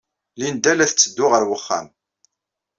Linda la tetteddu ɣer wexxam.